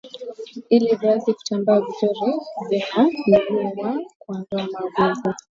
ili viazi kutambaa vizuri vinapaliliwa kuondoa magugu